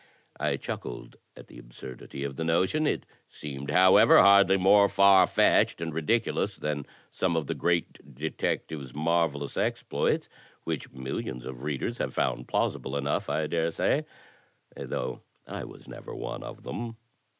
I chuckled at the absurdity of the notion. It seemed, however, hardly more far fetched and ridictdous than some of the great detective's marvellous exploits, which mil lions of readers have found plausible enough, I daresay, though I was never one of them.